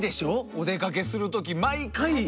お出かけする時毎回。